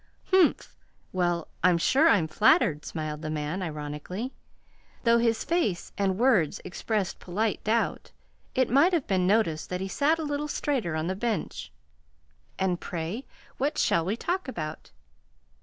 "Humph! Well, I'm sure I'm flattered," smiled the man, ironically. Though his face and words expressed polite doubt, it might have been noticed that he sat a little straighter on the bench. "And, pray, what shall we talk about?"